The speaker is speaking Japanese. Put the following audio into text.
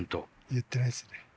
言ってないですね。